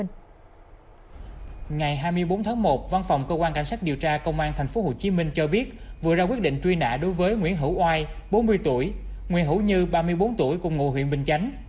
ngày hai mươi bốn tháng một văn phòng cơ quan cảnh sát điều tra công an tp hcm cho biết vừa ra quyết định truy nã đối với nguyễn hữu oai bốn mươi tuổi nguyễn hữu như ba mươi bốn tuổi cùng ngụ huyện bình chánh